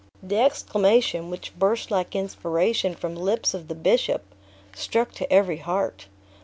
The exclamation, which burst like inspiration from the lips of the bishop, struck to every heart.